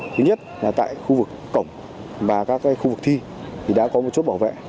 thứ nhất là tại khu vực cổng và các khu vực thi thì đã có một chốt bảo vệ